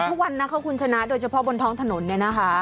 ทุกวันนะคะคุณชนะโดยเฉพาะบนท้องถนนเนี่ยนะคะ